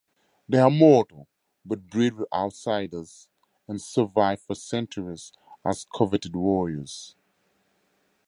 They are mortal, but breed with outsiders and survive for centuries as coveted warriors.